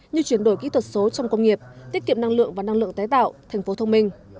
như chuyển đổi kỹ thuật số trong công nghiệp tiết kiệm năng lượng và năng lượng tái tạo thành phố thông minh